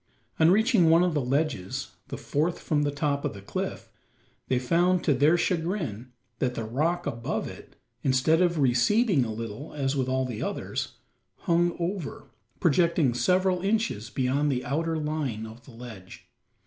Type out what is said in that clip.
On reaching one of the ledges the fourth from the top of the cliff they found, to their chagrin, that the rock above it, instead of receding a little, as with all the others, hung over projecting several inches beyond the outer line of the ledge.